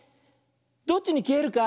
どっちにきえるか？